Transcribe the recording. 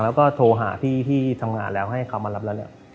แล้วก็โทรหาพี่ที่ทำงานแล้วให้เขามารับแล้วเนี่ย